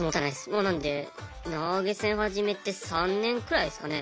もうなので投げ銭始めて３年くらいですかね。